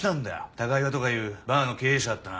高岩とかいうバーの経営者だったな。